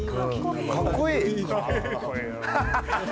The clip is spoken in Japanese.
かっこいい。